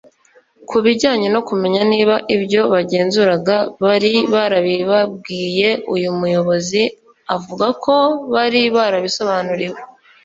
Ku bijyanye no kumenya niba ibyo bagenzuraga bari barabibabwiye uyu muyobozi avuga ko bari barabisobanuriwe